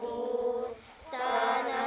indonesia tanah airku